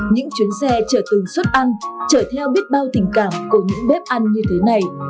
những chuyến xe chở từng suất ăn chở theo biết bao tình cảm của những bếp ăn như thế này